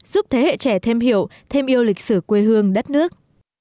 giúp thế hệ trẻ thêm hiểu thêm yêu lịch sử quê hương đất nước